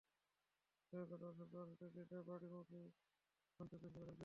তবে গতকাল শুক্রবার ছুটির দিনে বাড়িমুখী মানুষের ভিড় ছিল অনেক বেশি।